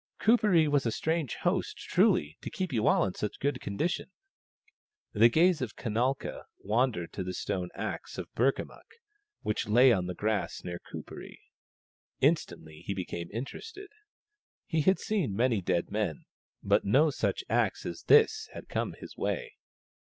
Kuperee was a strange host, truly, to keep you all in such good condition !" The gaze of Kanalka wandered to the stone axe of Burkamukk, which lay on the grass near Kuperee. Instantly he became interested. He had seen many dead men, but no such axe as this had come his way.